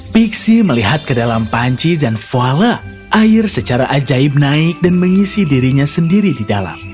pixie melihat ke dalam panci dan fala air secara ajaib naik dan mengisi dirinya sendiri di dalam